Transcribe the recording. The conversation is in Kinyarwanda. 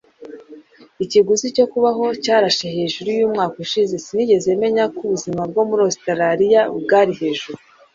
Ikiguzi cyo kubaho cyarashe hejuru yumwaka ushize. Sinigeze menya ko ubuzima bwo muri Australiya bwari hejuru.